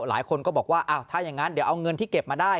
หลายคนก็บอกว่าอ้าวถ้าอย่างนั้นเดี๋ยวเอาเงินที่เก็บมาได้